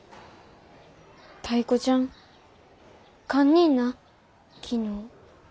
タイ子ちゃん堪忍な昨日。